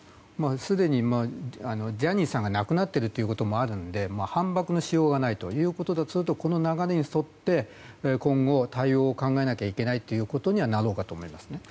すでにジャニーさんが亡くなっていることもあるので反ばくのしようがないということだとするとこの流れに沿って今後、対応を考えなきゃいけないことになりそうですね。